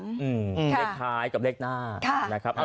เลขท้ายกับเลขหน้า